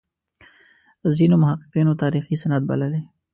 ځینو محققینو تاریخي سند بللی.